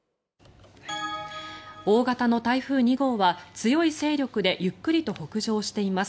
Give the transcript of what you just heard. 大型の台風２号は強い勢力でゆっくりと北上しています。